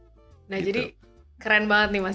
nah jadi keren banget nih mas